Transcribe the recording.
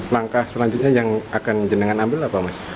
langkah selanjutnya yang akan jenangan ambil apa mas